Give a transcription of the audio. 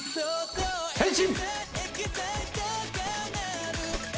変身！